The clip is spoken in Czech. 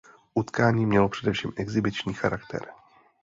Utkání mělo především exhibiční charakter.